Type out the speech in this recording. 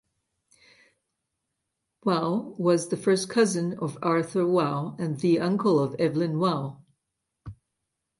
Waugh was the first cousin of Arthur Waugh and the uncle of Evelyn Waugh.